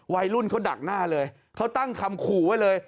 วัยรุ่นเขาดักหน้าเลยเขาตั้งคำขู่ไว้เลย